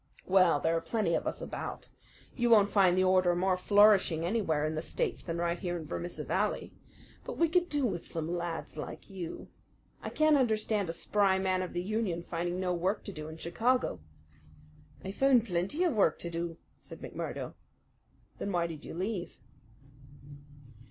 "Well, there are plenty of us about. You won't find the order more flourishing anywhere in the States than right here in Vermissa Valley. But we could do with some lads like you. I can't understand a spry man of the union finding no work to do in Chicago." "I found plenty of work to do," said McMurdo. "Then why did you leave?"